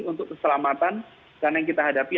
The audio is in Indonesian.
untuk keselamatan karena yang kita hadapi